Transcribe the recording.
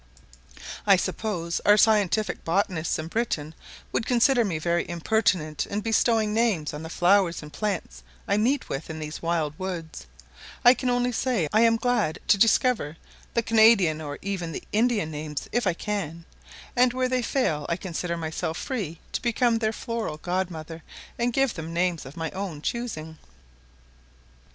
I suppose our scientific botanists in Britain would consider me very impertinent in bestowing names on the flowers and plants I meet with in these wild woods: I can only say, I am glad to discover the Canadian or even the Indian names if I can, and where they fail I consider myself free to become their floral godmother, and give them names of my own choosing.